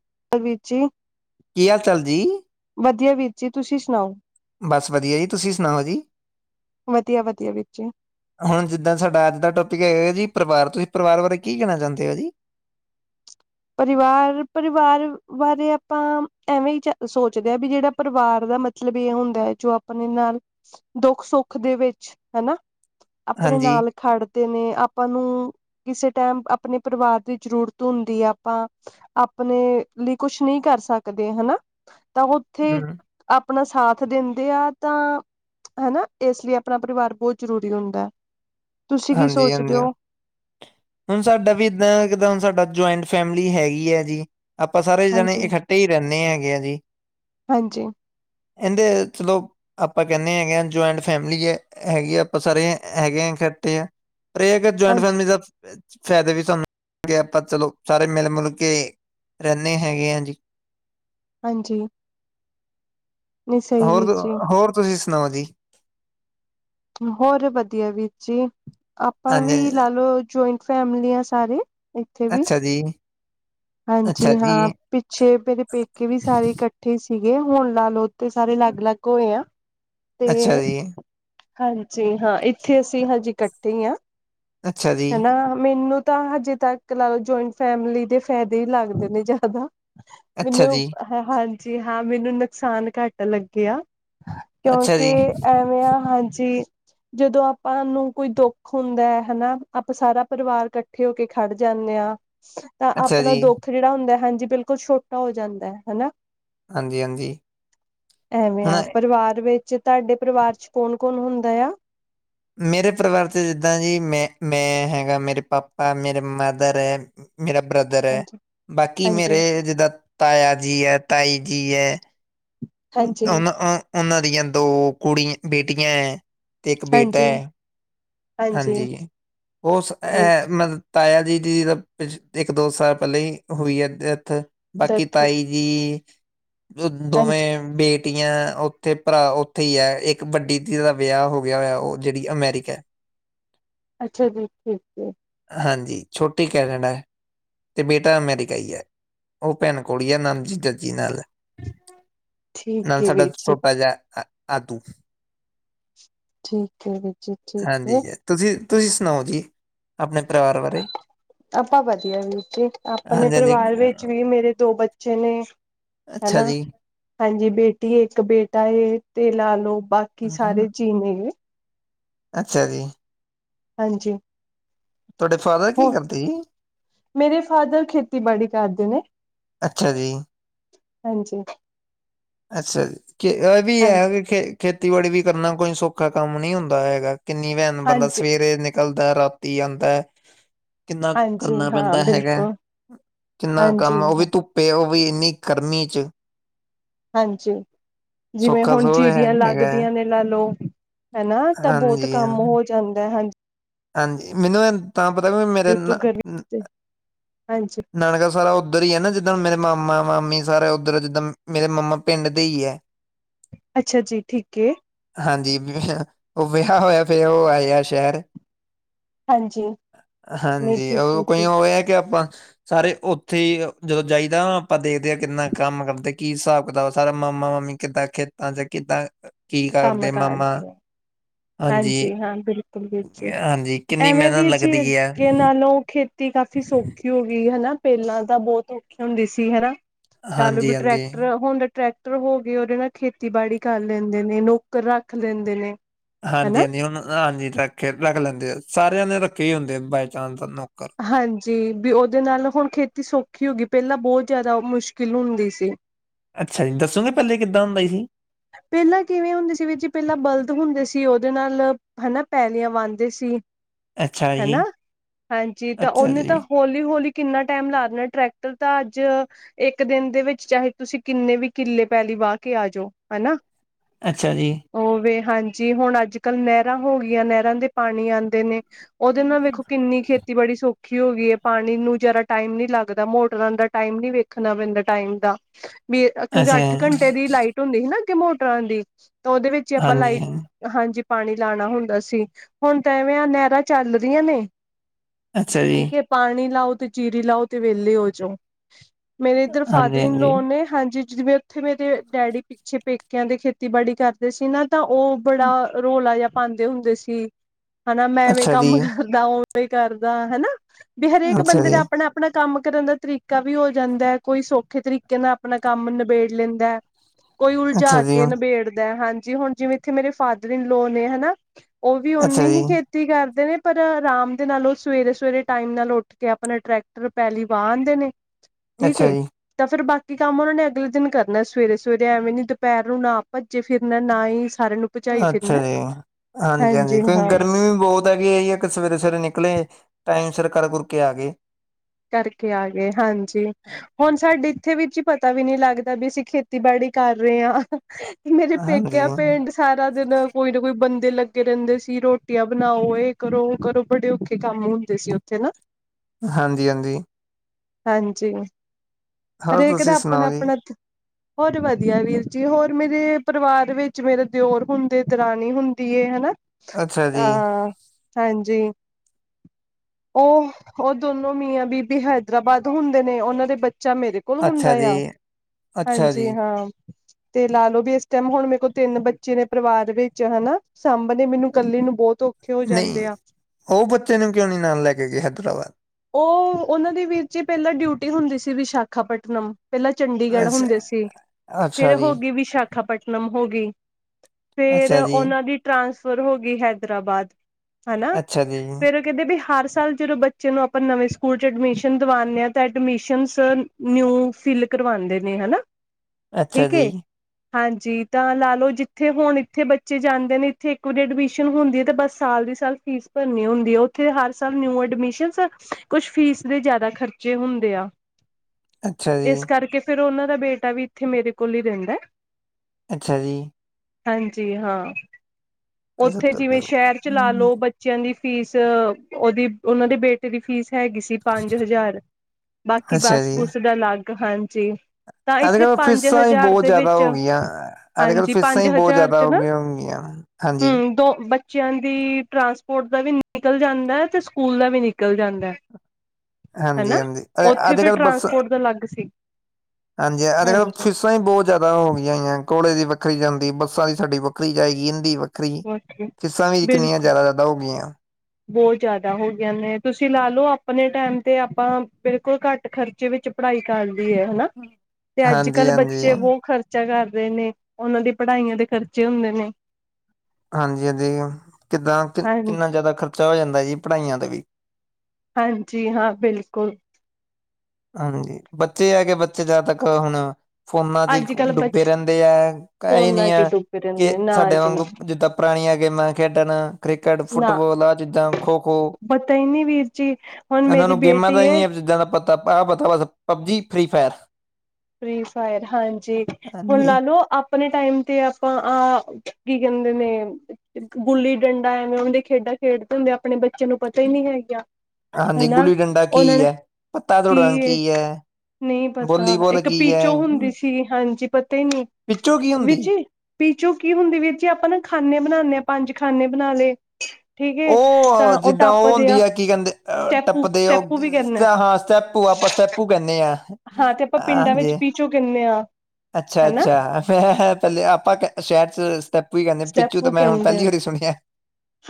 [inaudible] ਕੀ ਹਾਲ ਚਾਲ ਜੀ ਵਧੀਆ ਵੀਰ ਜੀ ਤੁਸੀਂ ਸੁਣਾਓ ਬਸ ਵਧੀਆ ਜੀ ਤੁਸੀਂ ਸੁਣਾਓ ਜੀ ਵਧੀਆ ਵਧੀਆ ਵੀਰ ਜੀ ਹੁਣ ਜਿੱਦਾਂ ਸਾਡਾ ਅੱਜ ਦਾ ਟੋਪਿਕ ਹੈਗਾ ਜੀ ਪਰਿਵਾਰ ਤੁਸੀਂ ਪਰਿਵਾਰ ਬਾਰੇ ਕੀ ਕਹਿਣਾ ਚਾਹੁੰਦੇ ਹੋ ਜੀ ਪਰਿਵਾਰ ਪਰਿਵਾਰ ਬਾਰੇ ਆਪਾਂ ਐਵੇਂ ਹੀ ਸੋਚਦੇ ਹਾਂ ਵੀ ਜਿਹੜਾ ਪਰਿਵਾਰ ਦਾ ਮਤਲਬ ਇਹ ਹੁੰਦਾ ਹੈ ਜੋ ਆਪਣੇ ਨਾਲ ਦੁੱਖ ਸੁੱਖ ਦੇ ਵਿੱਚ ਹਨਾ ਆਪਣੇ ਹਾਂਜੀ, ਨਾਲ ਖੜਦੇ ਨੇ ਆਪਾਂ ਨੂੰ ਕਿਸੇ ਟਾਈਮ ਆਪਣੇ ਪਰਿਵਾਰ ਦੀ ਜ਼ਰੂਰਤ ਹੁੰਦੀ ਆ ਆਪਾਂ ਆਪਣੇ ਲਈ ਕੁਛ ਨਹੀਂ ਕਰ ਸਕਦੇ ਹਨਾ ਤਾਂ ਉੱਥੇ ਹੂੰ, ਆਪਣਾ ਸਾਥ ਦਿੰਦੇ ਆ ਤਾਂ ਹਨਾ ਇਸ ਲਈ ਆਪਣਾ ਪਰਿਵਾਰ ਬਹੁਤ ਜ਼ਰੂਰੀ ਹੁੰਦਾ ਹੈ ਹਾਂਜੀ ਹਾਂਜੀ ਹੁਣ ਸਾਡਾ ਵੀ ਏਦਾਂ ਇੱਕਦਮ ਸਾਡਾ ਜੁਆਇੰਟ ਫੈਮਿਲੀ ਹੈਗੀ ਹੈ ਜੀ ਆਪਾਂ ਸਾਰੇ ਜਾਣੇ ਹਾਂਜੀ ਇਕੱਠੇ ਹੀ ਰਹਿੰਦੇ ਹੈਗੇ ਆ ਜੀ ਹਾਂਜੀ ਇਹਹਿੰਦੇ ਚਲੋ ਆਪਾਂ ਕਹਿੰਦੇ ਹੈਗੇ ਹਾਂ ਜੁਆਇੰਟ ਫੈਮਿਲੀ ਹੈ ਹੈਗੀ ਆ ਆਪਾਂ ਸਾਰੇ ਹੈਗੇ ਆ ਇਕੱਟੇ ਆ ਪਰ ਇਹ ਜੁਆਇੰਟ ਹਾਂਜੀ ਫੈਮਲੀ ਦਾ ਫਾਇਦਾ ਵੀ ਸਾਨੂੰ ਆਪਾਂ ਚਲੋ ਸਾਰੇ ਮਿਲ ਮਲ ਕੇ ਰੰਨੇ ਹੈਗੇ ਆ ਜੀ ਹਾਂਜੀ ਨਹੀਂ ਸਹੀ ਹੋਰ ਵੀਰ ਜੀ ਹੋਰ ਤੁਸੀਂ ਸੁਣਾਓ ਜੀ ਹੋਰ ਵਧੀਆ ਵੀਰ ਜੀ ਆਪਾਂ ਵੀ ਹਾਂਜੀ ਲਾ ਲਓ ਜਇੰਟ ਫੈਮਲੀ ਆ ਸਾਰੇ ਇੱਥੇ ਵੀ ਅੱਛਾ ਜੀ ਹਾਂਜੀ ਅੱਛਾ ਹਾਂ ਜੀ, ਪਿੱਛੇ ਮੇਰੇ ਪੇਕੇ ਵੀ ਸਾਰੇ ਇਕੱਠੇ ਸੀ ਸੀਗੇ ਹੁਣ ਲਾ ਲੋਓ ਤੇ ਸਾਰੇ ਅਲੱਗ ਅਲੱਗ ਹੋਏ ਆ ਤੇ ਅੱਛਾ ਜੀ ਹਾਂਜੀ ਹਾਂ ਇੱਥੇ ਅਸੀਂ ਹਜੇ ਇਕੱਠੇ ਹਾਂ ਅੱਛਾ ਜੀ, ਹਨਾ ਮੈਨੂੰ ਤਾਂ ਹਜੇ ਤੱਕ ਲਾ ਲਓ ਜਆਇੰਟ ਫੈਮਲੀ ਦੇ ਫਾਇਦੇ ਹੀ ਲੱਗਦੇ ਨੇ ਜ਼ਿਆਦਾ ਅੱਛਾ ਮੈਨੂੰ ਜੀ, ਹਾਂਜੀ ਹਾਂ ਮੈਨੂੰ ਨੁਕਸਾਨ ਘੱਟ ਲੱਗੇ ਆ ਅੱਛਾ ਜੀ, ਕਿਉਂਕਿ ਐਵੇਂ ਆ ਹਾਂਜੀ ਜਦੋਂ ਆਪਾਂ ਨੂੰ ਕੋਈ ਦੁੱਖ ਹੁੰਦਾ ਹੈ ਹਨਾ ਆਪਾਂ ਸਾਰਾ ਪਰਿਵਾਰ ਇਕੱਠੇ ਹੋ ਕੇ ਖੜ ਜਾਂਦੇ ਹਾਂ ਤਾਂ ਅੱਛਾ ਆਪਣਾ ਜੀ, ਦੁੱਖ ਜਿਹੜਾ ਹੁੰਦਾ ਹਾਂਜੀ ਬਿਲਕੁਲ ਛੋਟਾ ਹੋ ਜਾਂਦਾ ਹਨਾ ਹਾਂਜੀ, ਹਾਂਜੀ। ਐਵੇਂ ਹੁਣ ਆ ਪਰਿਵਾਰ ਵਿੱਚ ਜ ਤੁਹਾਡੇ ਪਰਿਵਾਰ ਚ ਕੌਣ ਕੌਣ ਹੁੰਦਾ ਆ ਮੇਰੇ ਪਰਿਵਾਰ ਚ ਜਿੱਦਾਂ ਜੀ ਮੈਂ ਮੈਂ ਹੈਗਾ ਮੇਰੇ ਪਾਪਾ ਮੇਰੇ ਮਦਰ ਹੈ ਮੇਰਾ ਬ੍ਰਦਰ ਹੈ ਹਾਂਜੀ ਬਾਕੀ ਹਾਂਜੀ ਮੇਰੇ ਜਿੱਦਾਂ ਤਾਇਆ ਜੀ ਹੈ ਤਾਈ ਜ ਹੈ ਹਾਂਜੀ ਉਹਨਾਂ ਉਹਨਾਂ ਦੀਆਂ ਦੋ ਕੁੜੀ ਬੇਟੀਆਂ ਹੈ ਤੇ ਇੱਕ ਬੇਟਾ ਹਾਂਜੀ ਹੈ ਹਾਂਜੀ ਉਹ ਮਤਲ ਤਾਇਆ ਜੀ ਦੀ ਤਾਂ ਪਿਛ ਇੱਕ ਦੋ ਸਾਲ ਪਹਿਲਾਂ ਹੀ ਹੋਈ ਹੈ ਡੈਥ ਬਾਕੀ ਦੱਸੋ ਤਾਈ ਜੀ ਹਾਂਜੀ ਦੋਵੇਂ ਬੇਟ ਟੀਆਂ ਉੱਥੇ ਭਰਾ ਉੱਥੇ ਹੀ ਹੈ ਇੱਕ ਵੱਡੀ ਧੀ ਦਾ ਵਿਆਹ ਹੋ ਗਿਆ ਹੋਇਆ ਉਹ ਜਿਹੜੀ ਅਮੈਰੀਕਾ ਅੱਛਾ ਜੀ ਠੀਕ ਜੀ। ਹਾਂਜੀ ਛੋਟੀ ਕੈਨੇਡਾ ਤੇ ਬੇਟਾ ਅਮੈਰੀਕਾ ਹੀ ਹੈ ਉਹ ਭੈਣ ਕੋਲ ਆ ਨਾਮ ਜੀ ਦੱ [unintelligible] ਜੀ ਨਾਲ ਠੀਕ ਨ ਹੈ ਸਾਡਾ ਵੀਰ ਜੀ ਛੋਟਾ ਜਿਹਾ ਆਤੂ ਠੀਕ ਏ ਜੀ। ਠੀਕ ਹਾਂਜੀ ਹੈ ਜ ਤੁਸੀਂ ਤੁਸੀਂ ਸੁਣਾਓ ਜੀ। ਆਪਣੇ ਪਰਿਵਾਰ ਬਾਰੇ ਆਪਾਂ ਵਧੀਆ ਵੀਰ ਜੀ ਆਪਣੇ ਹਾਂਜੀ ਹਾਂਜੀ ਪਰਿਵਾਰ ਵਿੱਚ ਵੀ ਮੇਰੇ ਦੋ ਬੱਚੇ ਚਨੇ ਅੱਛਾ ਜੀ। ਹਾਂਜੀ ਬੇਟੀ ਇੱਕ ਬੇਟਾ ਤੇ ਲਾ ਲਓ ਬਾਕੀ ਸਾਰੇ ਜੀ ਨੇਗੇ। ਅੱਛਾ ਜੀ। ਹਾਂਜੀ ਤੁਹਾਡੇ ਫਾਦਰ ਕੀ ਹੋਰ ਕਰਦੇ ਜੀ ਮੇਰੇ ਫਾਦਰ ਖੇਤੀਬਾੜੀ ਕਰਦੇ ਨੇ। ਅੱਛਾ ਜੀ। ਹਾਂਜੀ ਅੱਛਾ ਇਹ ਵੀ ਇਹ ਹਾਂਜੀ ਖੇ ਖੇ ਖੇਤੀਬਾੜੀ ਵੀ ਕਰਨਾ ਕੋਈ ਸੌਖਾ ਕੰਮ ਨੀ ਹੁੰਦਾ ਹੈਗਾ ਕਿੰਨੀ ਵੈਣ ਬੰਦਾ ਹਾਂਜੀ ਸਵੇਰੇ ਨਿਕਲ ਤਾ ਰਾਤੀ ਆਂਦਾ। ਕਿੰਨਾ ਹਾਂਜੀ ਕਰਨਾ ਹਾਂ ਪੈਂਦਾ ਹੈਗਾ ਬਿਲਕੁਲ ਕਿੰਨਾ ਹਾਂਜੀ ਕੰਮ ਉਹ ਹਾਂ ਵੀ ਧੁੱਪੇ ਉਹ ਵੀ ਇੰਨੀ ਗਰਮੀ 'ਚ ਹਾਂਜੀ ਜਿਵੇਂ ਸੌਖਾ ਹੁਣ ਸੋ ਹੈ ਜੀਰੀਆਂ ਹੈਗਾ ਲੱਗਦੀਆਂ ਨੇ ਨਾਲੋਂ ਹਨਾ ਤਾਂ ਬਹੁਤ ਹਾਂਜੀ ਕੰਮ ਹੋ ਜਾਂਦਾ ਹਾਂਜੀ। ਹਾਂਜੀ ਮੈਨੂੰ ਤਾਂ ਪਤਾ ਵੀ ਮੇਰੇ ਉਤੋਂ ਗਰਮੀ ਤੇ ਹਾਂਜੀ ਨਾਨਕਾ ਸਾਰਾ ਉੱਧਰ ਹੀ ਹੈ ਨਾ ਜਿੱ ਜਦਣ ਮੇਰੇ ਮਾਮਾ, ਮਾਮੀ ਸਾਰੇ ਉੱਧਰ ਜਿੱਦਾਂ ਮੇਰੇ ਮੰਮਾ ਪਿੰਡ ਦੇ ਹੀ ਹੈ। ਅੱਛਾ ਜੀ ਠੀਕ ਏ। ਹਾਂਜੀ ਉਹ ਵਿਆਹਾ ਹੋਇਆ ਫੇਰ ਉਹ ਆਇਆ ਸ਼ਹਿਰ ਹਾਂਜੀ ਨਹੀਂ ਹਾਂਜੀ ਠੀਕ ਉਹ ਹੈ ਕੋਈ ਜੀ ਹੋਆ ਕਿ ਆਪਾਂ ਸਾਰੇ ਉੱਥੇ ਜਦੋਂ ਜਾਈਦਾ ਆਪਾਂ ਦੇਖਦੇ ਹਾਂ ਕਿੰਨਾ ਕੰਮ ਕਰਦੇ ਕੀ ਹਿਸਾਬ ਕਿਤਾਬ ਸਾਰਾ ਮਾ ਮਾਮਾ- ਮਾਮੀ ਕਿੱਦਾਂ ਖੇਤਾਂ 'ਚ ਕਿੱਦਾਂ ਕੀ ਕੰਮ ਕਰਦੇ ਕਾਜ ਮਾਮਾ ਹਾਂਜੀ ਹਾਂਜੀ ਬਿਲਕੁਲ ਬਿਲਕੁਲ ਹਾਂਜੀ ਕਿੰਨੀ ਐਵੇਂ ਮਿਹਨਤ ਵੀ ਜੀ ਲੱਗਦੀ ਹੈ ਅੱਗੇ ਨਾਲੋਂ ਖੇਤੀ ਕਾਫ਼ੀ ਸੌਖੀ ਹੋ ਗਈ ਹਨਾ। ਪਹਿਲਾਂ ਤਾਂ ਬਹੁਤ ਔਖੀ ਹੁੰਦੀ ਸੀ ਹਨਾ ਲਾ ਲਓ ਹਾਂਜੀ ਵੀ ਹਾਂਜੀ ਟਰੈਕਟਰ ਹੁਣ ਟਰੈਕਟਰ ਹੋ ਗਏ ਉਹਦੇ ਨਾਲ ਖੇਤੀਬਾੜੀ ਕਰ ਲੈਂਦੇ ਨੇ ਨੌਕਰ ਰੱਖ ਲੈਂਦੇ ਨੇ। ਹਾਂਜੀ ਹਨਾ -ਹਾਂਜੀ ਹੁਣ ਹਾਂਜੀ ਰੱਖੇ ਰੱਖ ਲੈਂਦੇ ਆ ਸਾਰਿਆਂ ਨੇ ਰੱਖੇ ਹੀ ਹੁੰਦੇ ਬਾਈ ਚਾਂਸ ਨੋਕ ਹਾਂਜੀ ਵੀ ਉਹਦੇ ਨਾਲ ਹੁਣ ਖੇਤੀ ਸੌਖੀ ਹੋ ਗਈ। ਪਹਿਲਾਂ ਬਹੁਤ ਜ਼ਿਆਦਾ ਮੁਸ਼ਕਿਲ ਹੁੰਦੀ ਸੀ। ਅੱਛਾ ਜੀ ਦੱਸੋਗੇ ਪਹਿਲੇ ਕਿੱਦਾਂ ਹੁੰਦਾ ਸੀ। ਪਹਿਲਾਂ ਕਿਵੇਂ ਹੁੰਦੇ ਸੀ ਵੀ ਜੀ ਪਹਿਲਾਂ ਬਲਦ ਹੁੰਦੇ ਸੀ ਉਹਦੇ ਨਾਲ ਹਨਾ ਪੈਲੀਆਂ ਵਾਂਦੇ ਸੀ। ਅੱਛਾ ਹਨਾ ਜੀ ਹਾਂਜੀ ਤਾਂ ਅੱਛਾ ਉਹਨੇ ਜੀ ਤਾਂ ਹੌਲੀ ਹੌਲੀ ਕਿੰਨਾ ਟਾਈਮ ਲਾ ਦੇਣਾ ਟਰੈਕਟਰ ਤਾਂ ਅੱਜ ਇੱਕ ਦਿਨ ਦੇ ਵਿੱਚ ਚਾਹੇ ਤੁਸੀਂ ਕਿੰਨੇ ਵੀ ਕਿੱਲੇ ਪੈਲੀ ਵਾ ਕੇ ਆ ਜਾਓ ਹਨਾ। ਅੱਛਾ ਜੀ। ਉਹਵੇ ਹਾਂਜੀ ਹੁਣ ਅੱਜ ਕੱਲ੍ਹ ਨਹਿਰਾਂ ਹੋ ਗਈਆਂ ਨਹਿਰਾਂ ਦੇ ਪਾਣੀ ਆਉਂਦੇ ਨੇ। ਉਹਦੇ ਨਾਲ ਵੇਖੋ ਕਿੰਨੀ ਖੇਤੀਬਾੜੀ ਸੌਖ ਰਖੀ ਹੋ ਗਈ ਹੈ। ਪਾਣੀ ਨੂੰ ਜਦਾ ਟਾਈਮ ਨੀ ਲੱਗਦਾ। ਮੋਟਰਾਂ ਦਾ ਟਾਈਮ ਨੀ ਵੇਖਣਾ ਪੈਂਦਾ ਟਾਈਮ ਦਾ ਵੀ ਕਿਉਂਕਿ ਅੱਛਾ ਅੱਠ ਘੰਟੇ ਦੀ ਲਾਈਟ ਹੁੰਦੀ ਸੀ, ਨਾ ਅੱਗੇ ਮੋਟਰਾਂ ਦੀ ਤਾਂ, ਉਹਦੇ ਵਿੱਚ ਹੀ ਆਪਾਂ ਹਾਂਜੀ ਲਾਈਟ ਹਾਂਜੀ! ਪਾਣੀ ਲਾਉਣਾ ਹੁੰਦਾ ਸੀ ਹੁਣ ਤਾਂ ਐਵੇਂ ਆ ਨਹਿਰਾਂ ਚੱਲ ਰਹੀਆਂ ਨੇ ਅੱਛਾ ਜੀ ਠੀਕ ਹੈ ਪਾਣੀ ਲਾਓ ਤੇ ਚੀਰੀ ਲਾਓ ਤੇ ਵਿਹਲੇ ਹੋਜੋ। ਮੇਰੇ ਇੱਧਰ ਫਾਦਰ ਹਾਂਜੀ ਇਨ ਹਾਂਜੀ ਲੋਨ ਨੇ ਹਾਂਜੀ ਜਿਵੇਂ ਉੱਥੇ ਮੇਰੇ ਡੈਡੀ ਪਿੱਛੇ ਪੇਕਿਆਂ ਦੇ ਖੇਤੀਬਾੜੀ ਕਰਦੇ ਸੀ, ਨਾ ਤਾਂ ਉਹ ਬੜਾ ਰੋਲਾ ਜਿਹਾ ਪਾਉਂਦੇ ਹੁੰਦੇ ਸੀ। ਹਨਾ ਮੈਂਵੇਂ ਅੱਛਾ ਕੰਮ ਜੀ ਕਰਦਾ ਉਵੇਂ ਕਰਦਾ, ਹਨਾ! ਵੀ ਹਰੇਕ ਅੱਛਾ ਬੰਦੇ ਜੀ, ਦਾ ਆਪਣਾ ਆਪਣਾ ਕੰਮ ਕਰਨ ਦਾ ਤਰੀਕਾ ਵੀ ਹੋ ਜਾਂਦਾ ਹੈ ਕੋਈ ਸੌਖੇ ਤਰੀਕੇ ਨਾਲ ਆਪਣਾ ਕੰਮ ਨਿਬੇੜ ਲੈਂਦਾ। ਕੋਈ ਅੱਛਾ ਉਲਝਾ ਜੀ, ਕੇ ਨਿਬੇੜਦਾ ਹਾਂਜੀ, ਹੁਣ ਜਿਵੇਂ ਇੱਥੇ ਮੇਰੇ ਫਾਦਰ ਇਨਲੋ ਨੇ ਹਨਾ ਉਹ ਵੀ ਅੱਛਾ ਓਨੀ ਜੀ, ਹੀ ਖੇਤੀ ਕਰਦੇ ਨੇ। ਪਰ ਆਰਾਮ ਦੇ ਨਾਲ, ਉਹ ਸਵੇਰੇ ਸਵੇਰੇ ਟਾਈਮ ਨਾਲ ਉੱਠ ਕੇ ਆਪਣਾ ਟਰੈਕਟਰ ਪਹਿਲੀ ਵਾਹ ਆਦੇ ਨੇ। ਠੀਕ ਅੱਛਾ ਏ, ਜੀ, ਤਾਂ ਫੇਰ ਬਾਕੀ ਕੰਮ ਉਹਨਾਂ ਨੇ ਅਗਲੇ ਦਿਨ ਕਰਨਾ ਸਵੇਰੇ ਸਵੇਰੇ, ਐਵੇਂ ਨੀ ਪੈਰ ਨੂੰ ਨਾ ਭੱਜੇ ਫਿਰਨ ਨਾ ਹੀ ਗੱਲ ਕਰੀਏ ਹਨ । ਅੱਛਾ ਜੀ ਹਾਂਜੀ ਹਾਂਜੀ ਕਿਉਂਕ ਗਰਮੀ ਵੀ ਬਹੁਤ ਹੈਗੀ ਹੈ ਜ ਹੈ ਕਿ ਸਵੇਰੇ ਸਵੇਰੇ ਨਿਕਲੇ ਜਾਂਦਾ ਹਨ। ਟਾਈਮ ਸਿਰ ਕਰ ਕੁਰ ਕੇ ਆ ਗਏ ਸਨ। ਕਰਕੇ ਆ ਗਏ ਹਾਂਜੀ ਹੁਣ ਸਾਡੇ ਇੱਥੇ ਵੀ ਕੰਮ ਕਰਨਾ ਪੈਂਦਾ ਹਨ। ਪਤਾ ਵੀ ਨਹੀਂੀ ਲੱਗਦਾ ਵੀ ਅਸੀਂ ਖੇਤੀਬਾੜੀ ਕਰ ਰਹੇ ਹਾਂ ਅਤਾ ਇਹ ਕੰਮ ਸਾਡੀ ਜ਼ਮੀਨ ਨਾਲ ਜੁੜਿਆ ਹਨ। ਮੇਰੇ ਹਾਂਜੀ, ਪੇਕਿਆ ਪਿੰਡ ਸਾਰਾ ਦਿਨ ਘੁੰਮ ਫਿਰ ਦੇ ਹਨ। ਕੋਈ ਨਾ ਕੋਈ ਬੰਦੇ ਲੱਗੇ ਰਹਿੰਦੇ ਸੀ ਰੋਟੀਆਂ ਬਣਾਓ ਇਹ ਕਰੋ ਉਹ ਕਰੋ ਬੜੇ ਔਖੇ ਕੰਮ ਹੁੰਦੇ ਸੀ ਉੱਥੇ ਅਤਾ ਖਤੀ ਬਣਦੀ ਹਨ। ਹੈਨਾ ਹਾਂਜੀ ਹਾਂਜੀ ਹਾਂਜੀ ਹੋਰ ਹਰੇਕ ਤੁਸੀਂ ਦਾ ਆਪਣਾ ਸੁਣਾਓ ਜੀ? ਆਪਣਾ ਹੁੰਦਾ ਹਨ । ਹੋਰ ਵਧੀਆ ਵੀਰ ਜੀ ਹੋਰ ਮੇਰੇ ਪਰਿਵਾਰ ਵਿੱਚ ਮੇਰੇ ਦਿਓਰ ਹੁੰਦੇ ਦ ਰਾਣੀ ਹੁੰਦੀ ਏ ਹਨਾ। ਅੱਛਾ ਜੀ, ਤਾਂ ਹਾਂਜੀ ਉਹ ਉਹ ਦੋਨੋ ਕੰਮ ਕਰਦਾ ਹਨ। ਮੀਆਂ ਬੀਬੀ ਹੈਦਰਾਬਾਦ ਹੁੰਦੇ ਨੇ ਉਹਨਾਂ ਦੇ ਬੱਚੇ ਕੱਲ੍ਹ ਇਹ ਗਿਆ ਹਨ। ਬੱਚਾ ਮੇਰੇ ਕੋਲ ਹੁੰਦਾ ਅੱਛਾ ਆ ਜੀ, ਅੱਛਾ ਹਾਂਜੀ ਜੀ ਹਾਂ ਕਿ ਗੱਲ ਹਾ। ਤੇ ਲਾ ਲੋ ਵੀ ਇਸ ਟਾਈਮ ਹੁਣ ਮੇਰੇ ਕੋਲ ਤਿੰਨ ਬੱਚੇ ਨੇ ਪਰਿਵਾਰ ਵਿੱਚ ਹਨਾ ਤੇ ਤੇਰਾ ਕੋਲ ਕਿੰਨਾ ਨਾ। ਸਾਂਭਣੇ ਮੈਨੂੰ ਕੱਲੇ ਨੂੰ ਬਹੁਤ ਔਖੇ ਹੋ ਨਹੀਂ ਜਾਂਦੇ ਆ । ਉਹ ਬੱਚੇ ਨੂੰ ਕਿਉਂ ਨੀ ਨਾਲ ਲੈ ਕੇ ਗਏ ਹੈਦਰਾਬਾਦ ਮਿਲ ਜਾਂਦਾ ਹਨ। ਉਹ ਉਹਨਾਂ ਦੇ ਵੀਰ ਹੀ ਪਹਿਲਾਂ ਡਿਊਟੀ ਹੁੰਦੀ ਸੀ ਵਿਸ਼ਾਖਾਪਟਨਮ ਵਿਚ ਬਦਲਾਅ ਮਿਲ ਜਾਂਦਾ ਹਨ। ਪਹਿਲਾਂ ਚੰਡੀਗੜ੍ਹ ਅੱਛਾ, ਹੁੰਦੇ ਸੀ ਅੱਛਾ ਫਿਰ ਜੀ, ਹੋ ਗਈ ਵਿਸ਼ਾਖਾਪਟਨਮ ਹੋ ਗਈ ਫੇਰ ਅੱਛਾ ਜੀ, ਉਹਨਾਂ ਦੀ ਟ੍ਰਾਂਸਫਰ ਹੋ ਗਈ ਹੈਦਰਾਬਾਦ ਵਿੱਚ ਜਿਸ ਲੀਏ ਉਹ ਆਪਣੀ ਸਿਟੀ ਛੋੜ ਦਿੱਤੇ। ਹਨਾ ਅੱਛਾ ਜੀ, ਫੇਰ ਉਹ ਕਹਿੰਦੇ ਵੀ ਹਰ ਸਾਲ ਜਦੋਂ ਬੱਚੇ ਨੂੰ ਮਿਲ ਜਾਂਦਾ ਬਹੁਤ ਖੁਸ਼ ਹੁੰਦਾ ਹਨ। ਆਪਾਂ ਨਵੇਂ ਸਕੂਲ ਚ ਅਡਮਿਸ਼ਨ ਦਵਾਦੇ ਹ ਤੇ ਅਡਮਿਸ਼ਨ ਨਿਊ ਫਿਲ ਕਰਵਾਦੇ ਨੇ ਹਨਾ ਅਤੇ ਨਵਾ ਸਕੂਲ ਚ ਜਾਣ ਪੈਂਦਾ ਸੀ। ਅੱਛਾ ਜੀ ਤੁਸੀ ਦਸੋ। ਹਾਂਜੀ ਤਾਂ ਲਾ ਲਓ ਜਿੱਥੇ ਹੁਣ ਇੱਥੇ ਬੱਚੇ ਜਾਂਦੇ ਨੇ ਇੱਥੇ ਇੱਕ ਵਾਰੀ ਐਡਮਿਸ਼ਨ ਹੁੰਦੀ ਹੈ ਤੇ ਬਸ ਸਾਲ ਦੀ ਬਰਬਾਦੀ ਹੁੰਦੀ ਹਨ। ਸਾਲ ਫੀਸ ਭਰਨੀ ਹੁੰਦੀ ਹੈ ਉੱਥੇ ਹਰ ਸਾਲ ਨਿਊ ਐਡਮਿਸ਼ਨ ਮਿਲਦਾ ਹਨ। ਕੁਛ ਫੀਸ ਦੇ ਜ਼ਿਆਦਾ ਖ਼ਰਚੇ ਹੁੰਦੇ ਆ ਅੱਛਾ ਇਸ ਜੀ, ਕਰਕੇ ਫਿਰ ਉਹਨਾਂ ਦੀਆਂ ਕੀਮਤਾਂ ਮਿਲਦੀ ਹਨ। ਦਾ ਬੇਟਾ ਵੀ ਇੱਥੇ ਮੇਰੇ ਕੋਲ ਹੀ ਰਹਿੰਦਾ ਹਾਂਜੀ ਹਾਂਜੀ ਮੈਨੂੰ ਪਤਾ ਹੈ ਅੱਛਾ ਜੀ ਹਾਂਜੀ ਹਾਂ ਉੱਥੇ ਜਿਵੇਂ ਸ਼ਹਿਰ ਚ ਲਾ ਲਓ ਬੱਚਿਆਂ ਦੀ ਪੜਾਈ ਕਿਹਾ ਚਲਦੀ ਨਾ। ਫੀਸ ਉਹਦੀ ਉਹਨਾਂ ਦੇ ਬੇਟੇ ਦੀ ਫੀਸ ਕਿੰਨਾ ਸੀ। ਹੈਗੀ ਸੀ ਪੰਜ ਹਜ਼ਾਰ ਬਾਕੀ ਅੱਛਾ ਬੱਸ ਜੀ। ਬੁੱਸ ਦਾ ਅਲੱਗ ਹਾ ਜੀ ਬਸ ਦਾ ਅਲਗ ਸੀ। ਅੱਜ ਕਲ੍ਹ ਫੀਸਾਂ ਹੀ ਬਹੁਤ ਜਿਆਦਾ ਹੋਗਆਂ ਅੱਜ ਕਲ ਹਾਂਜੀ ਫੀਸਾਂ ਹੀ ਪੰਜ ਬਹੁਤ ਹਜ਼ਾਰ ਜਿਆਦਾ ਚ ਨਾ ਹੋਗੀਆਂ ਹਾਂਜੀ ਸਕੂਲ ਦਾ ਹਰ ਕੰਮ ਪੈਸੇ ਤੇ ਬਿਨਾ ਨੂੰ ਹੁੰਦਾ। ਹਾਂਜੀ ਕਹਿੰਦੇ ਨਾ ਘਰ ਹੂੰ ਦੋ ਸਾਰਾ । ਬੱਚਿਆਂ ਦੀ ਟਰਾਂਸਪੋਰਟ ਦਾ ਵੀ ਨਿਕਲ ਜਾਂਦਾ ਹੈ ਤੇ ਸਕੂਲ ਦਾ ਵੀ ਨਿਕਲ ਜਾਂਦਾ ਹੈ ਇਹ ਬਹੁਤ ਜ਼ਰੂਰੀ ਹੈ। ਹਾਂਜੀ ਹਾਂਜੀ ਅੱਜ ਕੱਲ੍ਹ ਬੱਸ ਬਹੁਤ ਲੇਟ ਮਿਲਦੀ ਟਰਾਂਸਪੋਰਟ ਦਾ ਅਲੱਗ ਸੀ ਨੇ। ਹਾਂਜੀ ਅੱਜ ਕੱਲ੍ਹ ਫੀਸਾਂ ਹੀ ਬਹੁਤ ਜਿਆਦਾ ਹੋ ਗਈਆਂ ਕੋੋਲੇ ਦੀ ਵੱਖਰੀ ਜਾਂਦੀ ਬੱਸਾਂ ਦੀ ਸਾਡੀ ਵੱਖਰੀ ਜਾਏਗੀ ਇਦੀ ਵਰੀ ਸਾਹੇ ਲਏ ਸੀ। ਵੱਖਰੀ ਹਾਂਜੀ ਫਿਸਾਂ ਵੀ ਕਿੰਨੀਆਂ ਬਿਲਕੁਲ ਜ਼ਿਆਦਾ ਜ਼ਿਆਦਾ ਹੋ ਗਈਆਂ ਸਨ। ਬਹੁਤ ਜਿਆਦਾ ਹੋ ਗਈ ਆ ਨੇ ਤੁਸੀਂ ਲਾ ਲਓ ਆਪਣੇ ਟਾਈਮ ਤੇ ਆਪਾਂ ਬਿਲਕੁਲ ਘੱਟ ਖਰਚੇ ਵਿੱਚ ਪੜ੍ਹਾਈ ਕਰਦੀ ਹੈ ਹਨਾ ਤੇ ਅੱਜ ਹਾਂਜੀ ਕੱਲ ਹਾਂਜੀ ਬੱਚੇ ਬਹੁਤ ਖਰਚਾ ਕਰਦੇ ਨੇ। ਦੇ ਨੇ ਉਹਨਾਂ ਦੀ ਪੜ੍ਹਾਈਆਂ ਦੇ ਖਰਚੇ ਹੁੰਦੇ ਨੇ। ਹਾਂਜੀ ਹਾਂਜੀ ਕਿੱਦਾਂ ਕਿ ਹਾਂ ਕਿੰਨਾ ਜ਼ਿਆਦਾ ਖ਼ਰਚਾ ਹੋ ਜਾਂਦਾ ਜੀ ਪੜ੍ਹਾਈਆਂ ਤੇ ਵੀ। ਹਾਂਜੀ ਹਾਂ, ਬਿਲਕੁਲ । ਹਾਂਜੀ ਬੱਚੇ ਹੈ ਕੇ ਬੱਚੇ ਜ ਤੱਕ ਹੁਣ। ਫੋਨਾਂ ਚ ਹੀ ਅੱਜ ਕੱਲ੍ਹ ਡੁੱਬੇ ਬੱਚੇ ਰਹਿੰਦੇ ਹੈ ।ਇਹ ਫੋਨਾਂ ਨੀ ਚ ਹੈ, । ਡੁੱਬੇ ਰਹਿੰਦੇ ਕਿ ਨੇ। ਨਾ ਸਾਡੇ ਜੀ ਨਾ ਵਾਂਗੂ ਜਿੱਦਾਂ ਪ ਪੁਣੀਆਂ ਗੇਮਾਂ ਖੇਡਣਾ ਕ੍ਰਿਕਟ, ਨਾ ਫੁੱਟਬਾਲ ਆਹ ਚੀਜਾਂ ਖੋ ਖੋ ਪਤਾ ਹੀ ਨਹੀਂ ਵੀਰ ਜੀ । ਹੁਣ ਇਹਨਾਂ ਮੇਰੀ ਨੂੰ ਗੇਮਾਂ ਦਾ ਬੇਟੀ ਹੀ ਨਹੀਂ ਹੈ ਜਿੱਦਾਂ ਦਾ ਪਤਾ ਆ ਪਤਾ ਬਸ PUBG Free Fire. Free Fire ਹਾਂਜੀ ਹੁਣ ਲਾ ਹਾਂਜੀ ਲੋ ਆਪਣੇ ਟਾਈਮ ਤੇ ਆਪਾਂ ਆ ਗ ਕੀ ਕਹਿੰਦੇ ਨੇ ਗੁੱਲੀ ਡੰਡਾ ਐਵੇਂ ਉਹਦੇ ਖੇਡਾਂ ਖੇਡਦੇ ਹੁੰਦੇ ਆਪਣੇ ਬੱ ਬੱਚੇ ਨੂੰ ਪਤਾ ਹੀ ਨਹੀਂ ਹੈ ਕਿਆ। ਹਾਂਜੀ ਹਨਾ ਗੁੱਲੀ ਡੰਡਾ ਕੀ ਉਹਨਾਂ ਨੇ ਹੈ ਪੱਤਾ ਕੀ ਦੌੜਨ ਏ ਹੈ ਨਹੀਂ ਪਤਾ ਵੋਲੀਬੋਲ ਇੱਕ। ਕੀ ਹੈ ਕਪੀਚੋ ਹੁੰਦੀ ਸੀਗੀ ਹਾਂਜੀ ਪਤਾ ਹੀ ਨਹੀਂ। ਪਿੱਚੋ ਕੀ ਵੀਰ ਜੀ ਹੁੰਦੀ ਹੀਮ ਪੀਚੋਂ ਕੀ ਹੁੰਦੀ ਵਿੱਚ ਹੀ ਆਪਾਂ ਨਾ ਖਾਨੇ ਬਣਾਉਦੇ ਹਾਂ ਪੰਜ। ਖਾਨੇ ਬਣਾ ਲਏ। ਠੀਕ ਏ ਉਹ ਤਾਂ ਜਿੱਦਾਂ ਉਹ ਟੱਪਦੇ ਹੁੰਦੀ ਆ ਕੀ ਕਹਿੰਦੇ ਅ ਸਟੈਪੂ ਟੱਪਦੇ ਉਹ ਸਟੈਪੂ ਵੀ ਕਹਿੰਦੇ ਹਾਂ ਸਟੈਪੂ। ਸਟੈਪੂ ਆਪੂ ਕਹਿੰਦੇ ਆ। ਹਾਂ ਤੇ ਆਪਾਂ ਪਿੰਡਾਂ ਹਾਂਜੀ ਵਿੱਚ ਪੀਚੋਂ ਕਿੰਨੇ ਆ। ਅੱਛਾ ਅੱਛਾ ਮੈਂ ਪਹਿਲੇ ਆਪਾਂ ਸ਼ਹਿਰ ਚ। ਆਪ ਹੀ ਕਹਿੰਦੇ ਪਿੱਚੋਂ ਤਾਂ ਸਟੈਪੂ ਮੈਂ ਹੁਣ ਕਹਿੰਦੇ ਪਹਿਲੀ ਵਾਰੀ ਸੁਣਿਆ।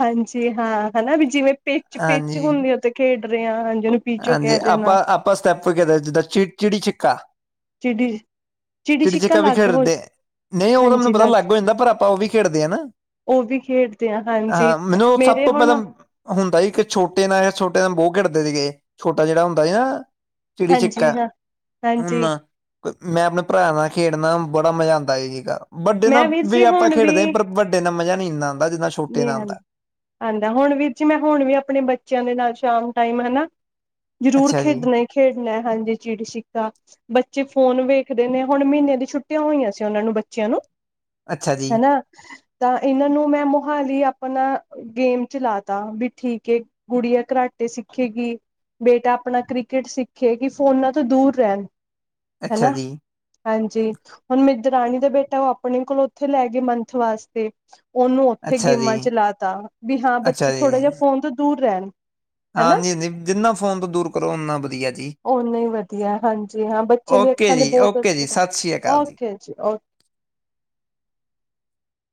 ਹਾਂਜੀ ਹਾਂ, ਹੈ ਨਾ ਵੀ ਜਿਵੇਂ ਪਿਚ ਪਿਚ ਹਾਂਜੀ ਹੁੰਦੀ ਉਥੇ ਖੇਡ ਰਹੇ ਹ ਹਾਂ ਜਿ ਉਹਨੂੰ ਪਿਚੋ ਕਹਿ। ਹਾਂਜੀ ਦੇਣਾ ਆਪਾਂ ਆਪਾਂ ਸਟੈਪੂ ਜਿੱਦਾਂ ਚਿ ਚਿੜੀ ਛਿੱਕਾ। ਚਿੜੀ। ਚਿੜੀ ਛਿੱਕਾ ਛਿਕਾ ਵੀ ਅਲੱਗ ਹੋ ਖੇਡਦੇ ਨਹੀਂ ਉਹ ਤਾਂ ਮੈਨੂੰ ਪਤਾ ਅਲੱਗ ਹੋ ਜਾਂਦਾ ਪਰ ਆਪਾਂ ਉਹ ਵੀ ਖੇਡਦੇ ਹਾਂ। ਉਹ ਵੀ ਖੇਡਦੇ ਆ ਹਾਂਜੀ ਹਾਂ ਮੈਨੂੰ ਸਭ ਮੇਰੇ ਤੋਂ ਹੁਣ ਪਹਿਲਾਂ ਹੁੰਦਾ ਸੀ ਕਿ ਛੋਟੇ ਨਾਲ ਜਾਂ ਛੋਟੇ ਨਾਲ। ਬਹੁਤ ਖੇਡਦੇ ਸੀਗੇ ਛੋਟਾ ਜਿਹੜਾ ਹੁੰਦਾ ਸੀ ਨਾ। ਚਿੜੀ ਹਾਂਜੀ ਛਿੱਕਾ ਹਾਂ ਹੁਣ ਹਾਂਜੀ ਮੈਂ । ਖੇਡਣਾ ਬੜਾ ਮਜ਼ਾ ਆਂਦਾ ਸੀਗਾ। ਵੱਡੇ ਮੈਂ ਨਾਲ ਵੀਰ ਵੀ ਜੀ ਆਪਾਂ ਹੁਣ ਖੇਡਦੇ ਹਾਂ ਪਰ ਵੱਡੇ ਦਾ ਮਜ਼ਾ ਨਹੀਂ ਇੰਨਾ ਆਉਂਦਾ ਜਿੱਦਾਂ। ਨਹੀ ਹੁੰਦਾ ਹੁਣ ਵੀਰ ਜੀ ਮੈਂ ਹੁਣ ਵੀ ਆਪਣੇ ਬੱਚਿਆਂ ਦੇ ਨਾਲ ਸ਼ਾਮ ਟਾਈਮ ਹਨਾ। ਜ਼ਰੂਰ ਅੱਛਾ ਜੀ ਖੇਡਣਾ ਖੇਡਣਾ ਹਾਂਜੀ ਚਿੜੀ ਛਿੱਕਾ ਬੱਚੇ। ਫੋਨ ਵੇਖਦੇ ਨੇ ਹੁਣ ਮਹੀਨੇ ਦੀ ਛੁੱਟੀਆਂ ਹੋਈਆਂ ਸੀ ਉਹਨਾਂ ਨੂੰ ਬੱਚਿਆਂ ਨੂੰ। ਅੱਛਾ ਜੀ ਹਨਾ ਤਾਂ ਇਹਨਾਂ ਨੂੰ ਮੈਂ। ਲਈ ਆਪਣਾ ਗੇਮ ਚਲਾ ਤਾ ਵੀ ਠੀਕ ਆ ਕੁੜੀ ਆ ਕਰਾਟੇ ਸਿੱਖੇਗੀ। ਬੇਟਾ ਆਪਣਾ ਕ੍ਰਿਕਟ ਸਿੱਖੇ ਕਿ ਫੋਨਾਂ ਤੋਂ ਦੂਰ ਰਹਿਣ। ਹੈ ਅੱਛਾ ਨਾ ਜੀ, ਹਾਂਜੀ ਹੁਣ ਮੇਰੀ ਦਰਾਣੀ ਦਾ ਬੇਟਾ ਉਹ ਆਪ। ਆਪਣੇ ਕੋਲੋਂ ਉੱਥੇ ਲੈ ਗਏ ਮੰਥ ਵਾਸਤੇ ਉਹਨੂੰ ਉੱਥੇ ਅੱਛਾ ਗੇਮਾਂ ਜੀ, ਚਲਾ ਤਾ ਵੀ ਹਾਂ ਬੱਚੇ ਥੋੜਾ ਜਿਹਾ ਫੋਨ ਤੋਂ ਦੂਰ ਰਹਿਣ। ਹਨਾ ਹਾਂਜੀ ਹਾਂਜੀ ਜਿੰਨਾ ਫੋਨ ਤੋਂ ਦੂਰ ਕਰੋ ਓਨਾ ਵਧੀਆ ਜੀ। ਓਨਾ ਹੀ ਵਧੀਆ ਹਾਂਜੀ ਹਾਂ ਬੱਚਿਆਂ ਦੀ ਓਕੇ ਅੱਖਾਂ ਤੇ ਜੀ ਬਹੁਤ ਓਕੇ ਜੀ ਅਸਰ ਸਤਿ ਸ੍ਰੀ ਅਕਾਲ ਜੀ। Okay okay